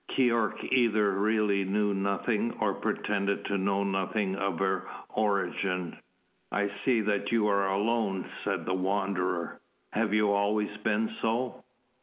Keyork either really knew nothing, or pretended to know nothing of her origin. "I see that you are alone," said the Wanderer. "Have you always been so?"